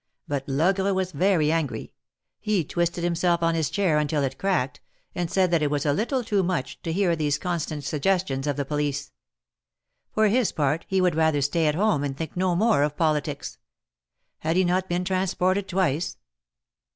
But Logre was very angry; he twisted himself on his chair until it cracked, and said that it was a little too much, to hear these constant suggestions of the police. For his part he would rather stay at home, and think no more of politics. Had he not been transported twice?